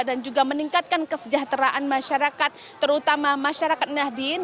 dan juga meningkatkan kesejahteraan masyarakat terutama masyarakat nahdien